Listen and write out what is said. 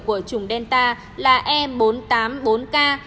của chủng delta là e bốn trăm tám mươi bốn k